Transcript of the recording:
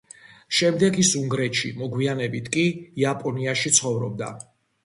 შემდეგ ის უნგრეთში, მოგვიანებით კი იაპონიაში ცხოვრობდა.